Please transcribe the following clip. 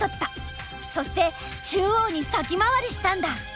そして中央に先回りしたんだ。